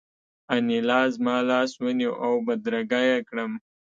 انیلا زما لاس ونیو او بدرګه یې کړم